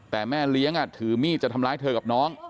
แต่แม่เลี้ยงถือมีดจะทำร้ายเธอกับน้อง